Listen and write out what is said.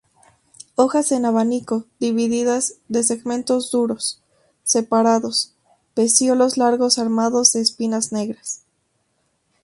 Hojas en abanico, divididas, de segmentos duros, separados, pecíolos largos armados de espinas negras.